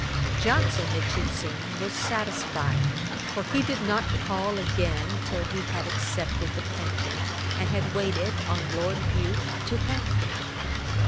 Johnson, it should seem, was satisfied, for he did not call again till he had accepted the pension, and had waited on Lord Bute to thank him.